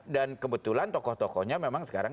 dan kebetulan tokoh tokohnya memang sekarang